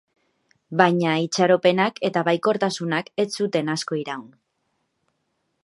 Baina itxaropenak eta baikortasunak ez zuten asko iraun.